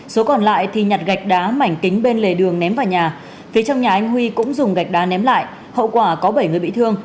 số còn lại thì nhặt gạch đá mảnh kính bên lề đường ném vào nhà phía trong nhà anh huy cũng dùng gạch đá ném lại hậu quả có bảy người bị thương